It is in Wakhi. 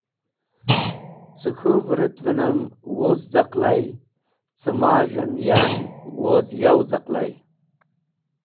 Ca k̃hũ vũrũt’venem wuz z̃aqlay, cẽ maz̃h en yan woz yaw z̃ẽqlay.